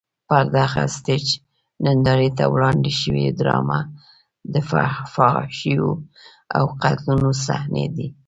پر دغه سټېج نندارې ته وړاندې شوې ډرامه د فحاشیو او قتلونو صحنې لري.